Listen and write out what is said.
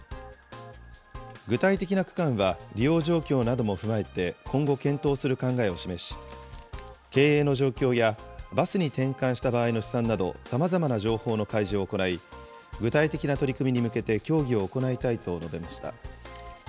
具体的な区間は利用状況なども踏まえて今後、検討する考えを示し、経営の状況やバスに転換した場合の試算など、さまざまな情報の開示を行い、具体的な取り組みに向けて協議を行いたいと述べました。